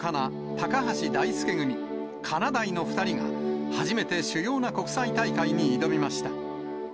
高橋大輔組、かなだいの２人が、初めて主要な国際大会に挑みました。